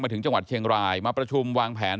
ถึงจังหวัดเชียงรายมาประชุมวางแผน